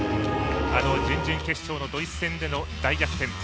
あの準々決勝のドイツ戦での大逆転。